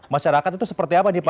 masyarakat itu seperti apa nih pak